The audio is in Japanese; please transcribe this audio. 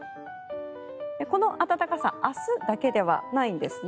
この暖かさ明日だけではないんですね。